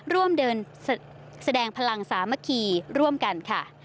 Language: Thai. ร่วมเดินแสดงพลังสามัคคีร่วมกันค่ะ